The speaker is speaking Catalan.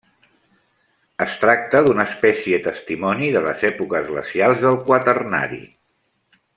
Es tracta d'una espècie testimoni de les èpoques glacials del Quaternari.